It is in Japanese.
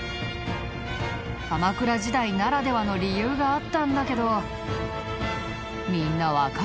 鎌倉時代ならではの理由があったんだけどみんなわかるかな？